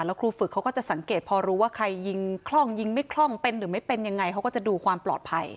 แล้วครูฝึกเขาก็จะสังเกตพอรู้ว่าใครยิงคล่องยิงไม่คล่องเป็นหรือไม่เป็นยังไงเขาก็จะดูความปลอดภัย